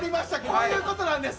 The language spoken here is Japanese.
こういうことなんです。